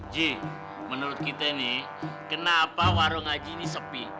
ji menurut kita nih kenapa warung haji ini sepi